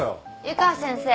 湯川先生。